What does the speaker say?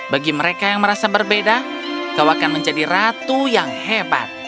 bagi mereka yang merasa berbeda kau akan menjadi ratu yang hebat